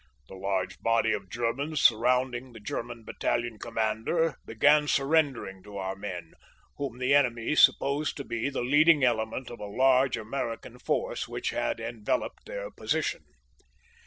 The large body of Germans surrounding the German bat talion commander began surrendering to our men, whom the enemy supposed to be the leading element of a large American force which had enveloped their position.